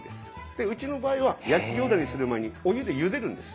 でうちの場合は焼き餃子にする前にお湯でゆでるんです